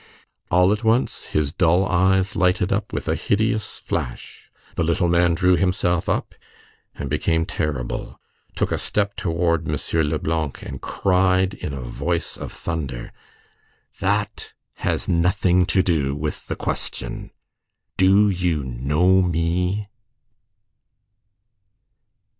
All at once his dull eyes lighted up with a hideous flash; the little man drew himself up and became terrible, took a step toward M. Leblanc and cried in a voice of thunder: "That has nothing to do with the question! Do you know me?"